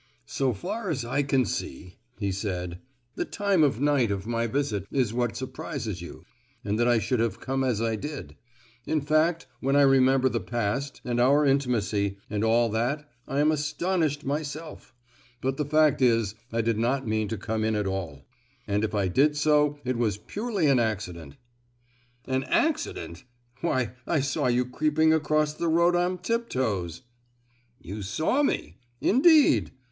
"So far as I can see," he said, "the time of night of my visit is what surprises you, and that I should have come as I did; in fact, when I remember the past, and our intimacy, and all that, I am astonished myself; but the fact is, I did not mean to come in at all, and if I did so it was purely an accident." "An accident! Why, I saw you creeping across the road on tip toes!" "You saw me? Indeed!